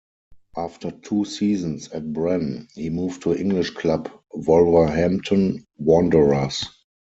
After two seasons at Brann he moved to English club Wolverhampton Wanderers.